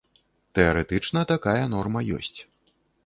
Тэарэтычна, такая норма ёсць.